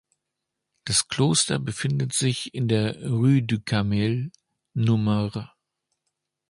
Das Kloster befindet sich in der "Rue du Carmel" Nr.